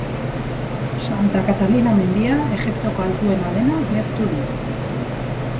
Santa Katalina mendia, Egiptoko altuena dena, gertu du.